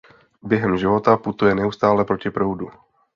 Během života putuje neustále proti proudu.